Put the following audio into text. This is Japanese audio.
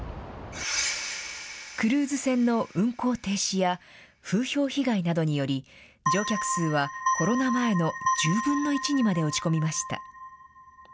クルーズ船の運航停止や、風評被害などにより、乗客数はコロナ前の１０分の１にまで落ち込みました。